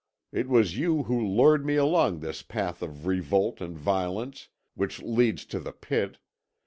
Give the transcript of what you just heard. It was you who lured me along this path of revolt and violence which leads to the pit.